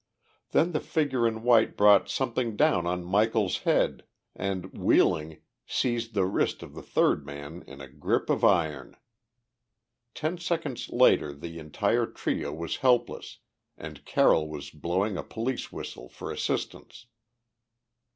Then the figure in white brought something down on Michel's head and, wheeling, seized the wrist of the third man in a grip of iron. Ten seconds later the entire trio was helpless and Carroll was blowing a police whistle for assistance.